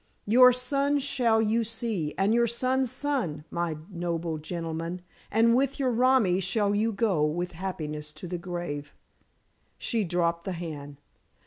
Your son shall you see, and your son's son, my noble gentleman, and with your romi shall you go with happiness to the grave," she dropped the hand.